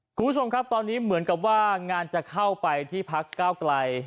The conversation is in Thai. คุณผู้ชมครับตอนนี้เหมือนกับว่างานจะเข้าไปที่พักเก้าไกล